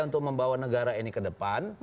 untuk membawa negara ini ke depan